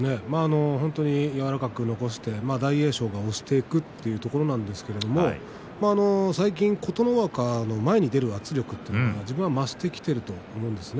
柔らかく残して大栄翔が残してしていくというところなんですが最近、琴ノ若前に出る圧力というのが力が増してきていると思うんです